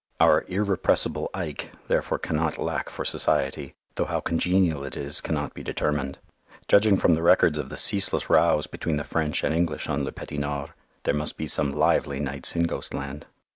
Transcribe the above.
Our "irrepressible Ike" therefore cannot lack for society, though how congenial it is cannot be determined. Judging from the records of the ceaseless rows between the French and English on Le Petit Nord, there must be some lively nights in ghostland.